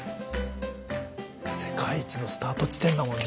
世界一のスタート地点だもんな。